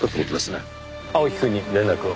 青木くんに連絡を。